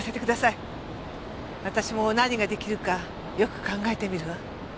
私も何が出来るかよく考えてみるわ。